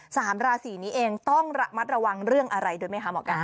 สามราศีนี้เองต้องระมัดระวังเรื่องอะไรด้วยไหมคะหมอไก่